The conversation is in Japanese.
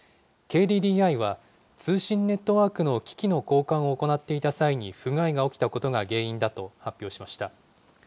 ＫＤＤＩは、通信ネットワークの機器の交換を行っていた際に不具合が起きたことが原因だと発表しました。